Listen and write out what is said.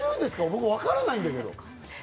俺わからないんだけど。